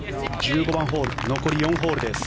１５番ホール残り４ホールです。